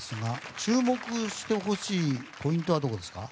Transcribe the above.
注目してほしいポイントはどこですか？